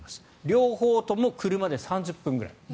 両方とも車で３０分ぐらい。